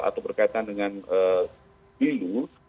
atau berkaitan dengan pemilu